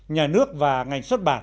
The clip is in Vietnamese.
nhà nước và ngành xuất bản